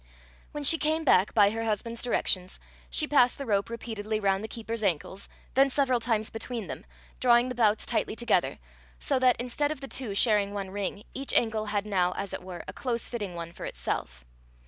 When she came back, by her husband's directions, she passed the rope repeatedly round the keeper's ankles, then several times between them, drawing the bouts tightly together, so that, instead of the two sharing one ring, each ankle had now, as it were, a close fitting one for itself.